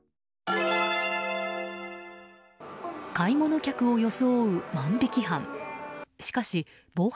買い物客を装う万引き犯。